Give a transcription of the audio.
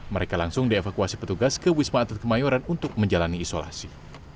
mereka langsung dievakuasi petugas ke wisma atlet kemayoran untuk menjalani isolasi